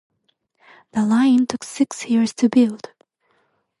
The line took six years to build.